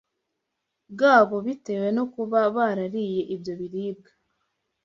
bwabo bitewe no kuba barariye ibyo biribwa.